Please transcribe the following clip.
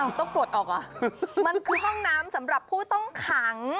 ต้องปลดออกเหรอมันคือห้องน้ำสำหรับผู้ต้องขัง